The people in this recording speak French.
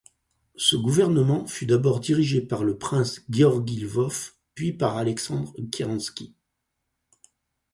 Ce gouvernement fut d'abord dirigé par le prince Gueorgui Lvov puis par Aleksandr Kerenski.